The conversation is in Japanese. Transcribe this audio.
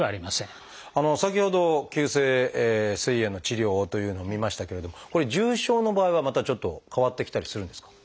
先ほど急性すい炎の治療というのを見ましたけれどもこれ重症の場合はまたちょっと変わってきたりするんですか？